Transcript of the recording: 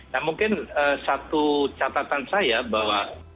nah mungkin satu catatan saya bahwa